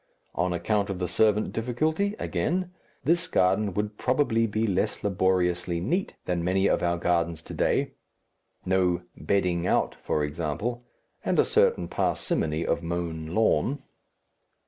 On account of the servant difficulty, again, this garden would probably be less laboriously neat than many of our gardens to day no "bedding out," for example, and a certain parsimony of mown lawn....